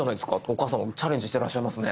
お母さんチャレンジしてらっしゃいますね。